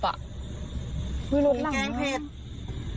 พี่แกงเผ็ด